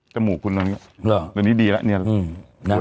จมูกคุณนั้น